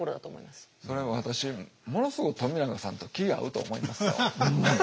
それ私ものすごい冨永さんと気ぃ合うと思いますよ。